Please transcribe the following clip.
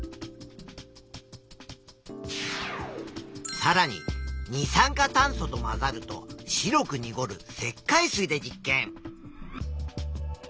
さらに二酸化炭素と混ざると白くにごる石灰水で実験。